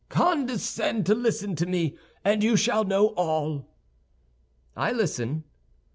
"Condescend to listen to me, and you shall know all." "I listen."